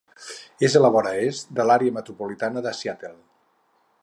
És a la vora est de l'àrea metropolitana de Seattle.